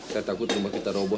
saya takut rumah kita roboh